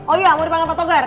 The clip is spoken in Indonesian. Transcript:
oh iya mau dipanggil patogar